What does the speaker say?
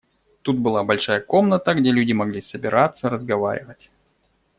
Тут была большая комната, где люди могли собираться, разговаривать.